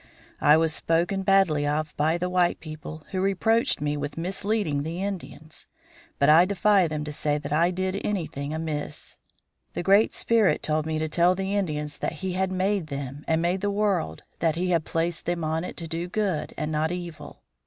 I was spoken badly of by the white people, who reproached me with misleading the Indians, but I defy them to say that I did anything amiss. "The Great Spirit told me to tell the Indians that he had made them, and made the world that he had placed them on it to do good and not evil.